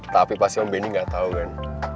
tapi pasti om benny gak tau kan